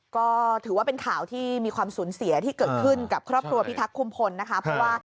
ก็ถือว่าเป็นข่าวที่มีความสูญเสียที่เกิดขึ้นกับครอบครัวพิทักษุมพลนะคะเพราะว่า